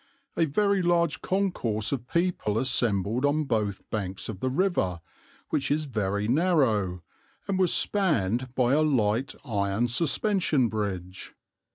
A very large concourse of people assembled on both banks of the river, which is very narrow, and was spanned by a light iron suspension bridge.